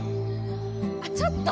あっちょっと！